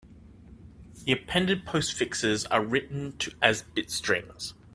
The appended postfixes are written as bit strings.